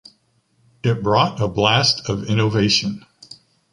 It brought a blast of innovation.